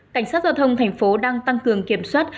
cảnh sát giao thông thành phố đang tăng cường kiểm soát